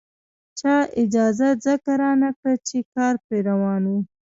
چا اجازه ځکه رانکړه چې کار پرې روان وو.